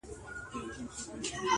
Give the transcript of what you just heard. نورې خبري وکړي خو ذهن نه پرېږدي,